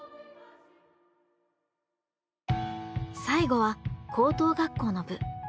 最後は高等学校の部。